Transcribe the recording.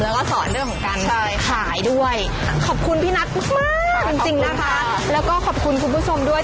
แล้วก็สอนเรื่องของการขายด้วยขอบคุณพี่นัทมากจริงจริงนะคะแล้วก็ขอบคุณคุณผู้ชมด้วย